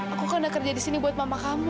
aku kan udah kerja disini buat mama kamu